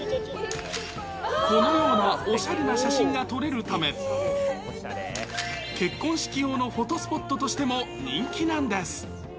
このようなおしゃれな写真が撮れるため、結婚式用のフォトスポットとしても人気なんです。